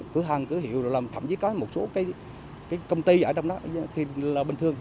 cửa hàng cửa hiệu thậm chí có một số cái công ty ở trong đó thì là bình thường